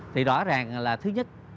thì rõ ràng là thứ nhất